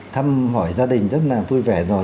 thăm hỏi gia đình rất là vui vẻ rồi